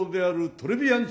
トレビアン！